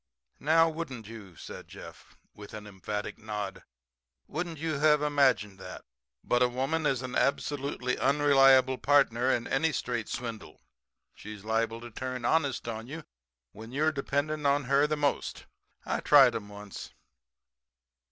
"Now, wouldn't you," said Jeff, with an emphatic nod "wouldn't you have imagined that? But a woman is an absolutely unreliable partner in any straight swindle. She's liable to turn honest on you when you are depending upon her the most. I tried 'em once.